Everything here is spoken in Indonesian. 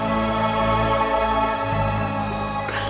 terima kasih bu